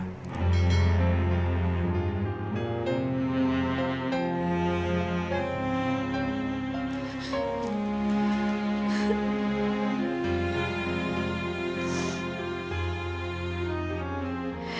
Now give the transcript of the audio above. saya gak akan berhenti